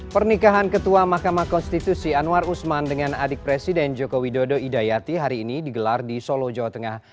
pernikahan ketua mahkamah konstitusi anwar usman dengan adik presiden joko widodo idayati hari ini digelar di solo jawa tengah